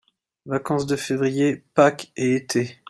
Vacances de février, pâques et été.